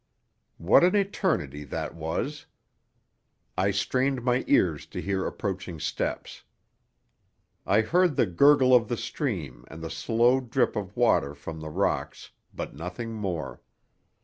What an eternity that was! I strained my ears to hear approaching steps. I beard the gurgle of the stream and the slow drip of water from the rocks, but nothing more.